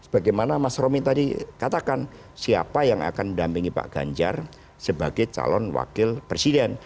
bagaimana mas romi tadi katakan siapa yang akan mendampingi pak ganjar sebagai calon wakil presiden